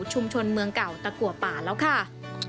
เมืองเก่าตะกัวป่าแล้วค่ะ